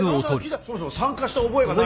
そもそも参加した覚えがない。